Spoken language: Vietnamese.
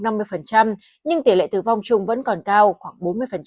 nhưng tỷ lệ tử vong chung vẫn còn cao khoảng bốn mươi